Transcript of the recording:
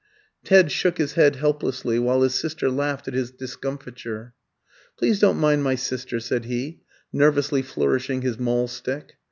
Ted shook his head helplessly, while his sister laughed at his discomfiture. "Please don't mind my sister," said he, nervously flourishing his maul stick.